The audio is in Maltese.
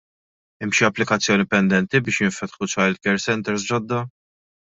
Hemm xi applikazzjoni pendenti biex jinfetħu childcare centres ġodda?